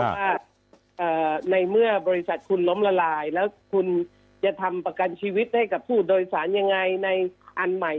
ว่าในเมื่อบริษัทคุณล้มละลายแล้วคุณจะทำประกันชีวิตให้กับผู้โดยสารยังไงในอันใหม่